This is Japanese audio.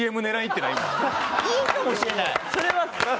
いいかもしれない。